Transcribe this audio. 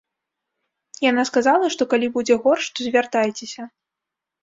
Яна сказала, што калі будзе горш, то звяртайцеся.